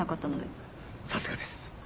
さすがです。